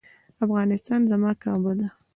افغانستان زما کعبه ده